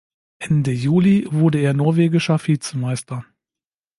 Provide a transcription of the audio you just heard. Ende Juli wurde er Norwegischer Vizemeister.